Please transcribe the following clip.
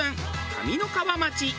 上三川町。